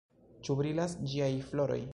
Ĉu brilas ĝiaj floroj?